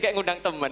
kayak ngundang temen